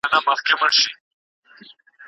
باید ټولو نجونو ته د منظمې زده کړې حق ورکړل شي.